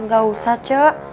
gak usah c